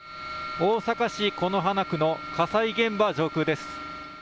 大阪市此花区の火災現場上空です。